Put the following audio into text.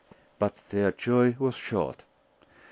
But their joy was short.